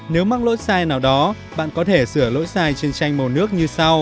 nếu mắc lỗi sai nào đó bạn có thể sửa lỗi sai trên tranh màu nước như sau